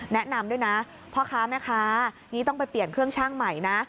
แนะนำด้วยนะพ่อค้าแม่ค้านี่ต้องไปเปลี่ยนเครื่องช่างใหม่นะ